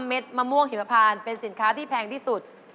เม็ดมะม่วงหิมพานเป็นสินค้าที่แพงที่สุด